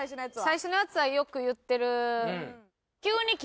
最初のやつはよく言ってる。